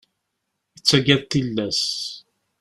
Yettagad tillas.